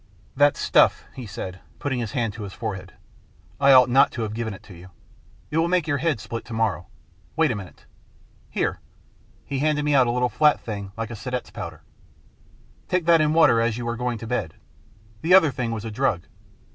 " That stuff/' he said. He put his hand to his forehead. " I ought not to have given it to you. It will make your head split to morrow. Wait a minute. Here." He handed me out a little flat thing like a seidlitz powder. " Take that in water as you are going to bed. The other thing was a drug.